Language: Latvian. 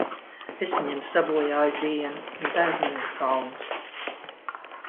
Es viņiem sabojāju dienu, un tagad man ir kauns.